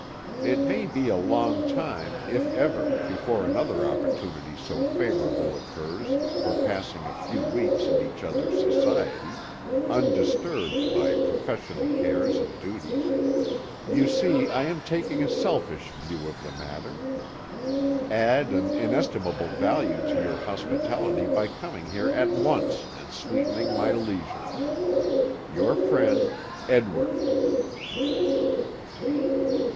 It may be a long time, if ever, before another opportunity so favourable occurs for passing a few weeks in each other's society, undisturbed by professional cares and duties. You see I am taking a selfish view of the matter. Add an inestimable value to your hospitality by coming here at once and sweetening my leisure. "Your friend, "Edward."